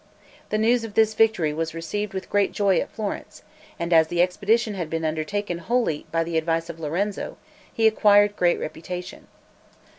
The news of this victory was received with great joy at Florence, and as the expedition had been undertaken wholly by the advice of Lorenzo, he acquired great reputation.